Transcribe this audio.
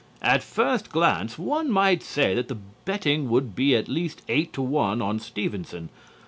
At first glance one might say that the betting would be at least eight to one on Stevenson.